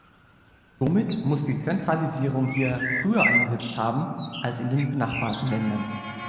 Somit muss die Zentralisierung hier früher eingesetzt haben als in den benachbarten Ländern.